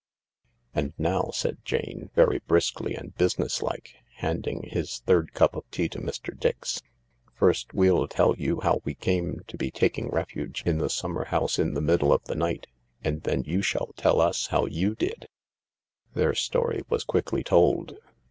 "And now," said Jane, very brisk and businesslike, hand ing his third cup of tea to Mr. Dix, " first we'll tell you how we came to be taking refuge in the summer house in the middle of the night, and then you shall tell us how you did." Their story was quickly told.